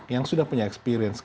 yang sudah punya experience